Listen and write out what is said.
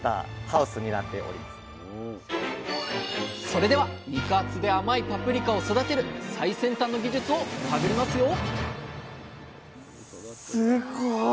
それでは肉厚で甘いパプリカを育てる最先端の技術を探りますよ！